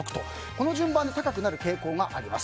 この順番で高くなる傾向があります。